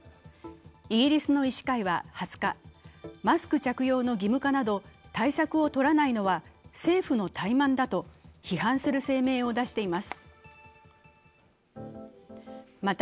イギリスの医師会は２０日、マスク着用の義務化など対策を取らないのは政府の怠慢だと批判する声明を出しています。